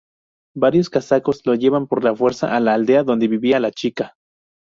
Varios cosacos lo llevan por la fuerza a la aldea donde vivía la chica.